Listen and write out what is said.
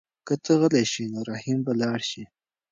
که ته غلی شې نو رحیم به لاړ شي.